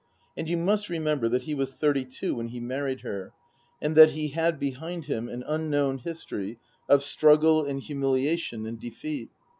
And you must remember that he was thirty two when he married her, and that he had behind him an unknown history of struggle and humiliation and defeat.